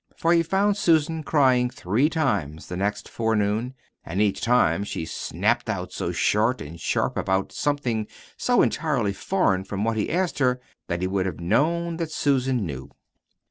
For he found Susan crying three times the next forenoon, and each time she snapped out so short and sharp about something so entirely foreign from what he asked her that he would have known that Susan knew.